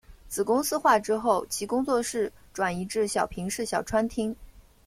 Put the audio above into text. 子公司化之后其工作室转移至小平市小川町。